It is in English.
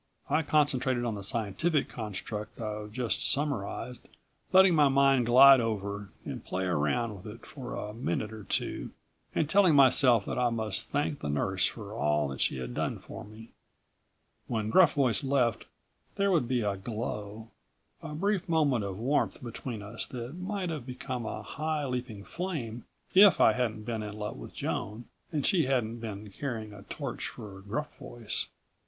I concentrated on the scientific construct I've just summarized, letting my mind glide over, and play around with it for a minute or two and telling myself that I must thank the nurse for all that she had done for me. When Gruff Voice left there would be a glow, a brief moment of warmth between us that might have become a high leaping flame if I hadn't been in love with Joan and she hadn't been carrying a torch for Gruff Voice.